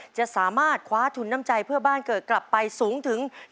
จะสามารถคว้าทุนน้ำใจเพื่อบ้านเกิดกลับไปสูงถึง